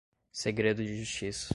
segredo de justiça